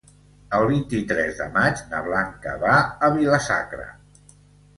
El vint-i-tres de maig na Blanca va a Vila-sacra.